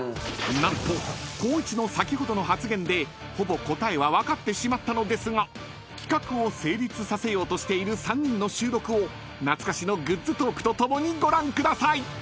［何と光一の先ほどの発言でほぼ答えは分かってしまったのですが企画を成立させようとしている３人の収録を懐かしのグッズトークとともにご覧ください！］